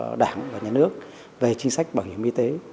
còn làm bắt được chủ trương của đảng và nhà nước về chính sách bảo hiểm y tế